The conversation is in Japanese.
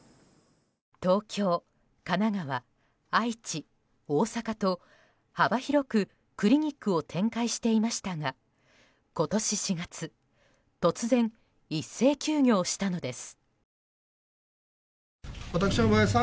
東京、神奈川、愛知、大阪と幅広くクリニックを展開していましたが今年４月突然、一斉休業したのです。